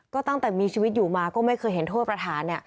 ก็ตั้งแต่มีชีวิตอยู่มาก็ไม่เคยเห็นโทษประหาร